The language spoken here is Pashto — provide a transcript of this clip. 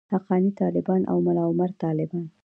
حقاني طالبان او ملاعمر طالبان.